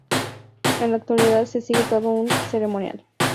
En la actualidad se sigue todo un ceremonial.